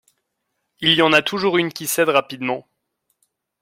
Il y en a toujours une qui cède rapidement.